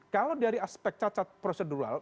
kalau dari aspek cacat prosedural